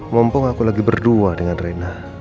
mumpung aku lagi berdua dengan reina